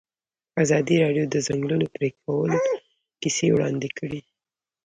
ازادي راډیو د د ځنګلونو پرېکول کیسې وړاندې کړي.